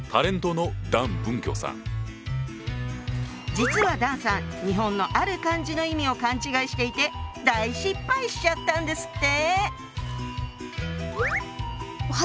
実は段さん日本のある漢字の意味を勘違いしていて大失敗しちゃったんですって。